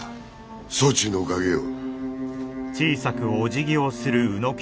そちのおかげよ。